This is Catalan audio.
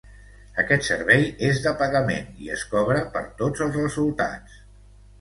Aquest servei és de pagament i es cobra per tots els resultats.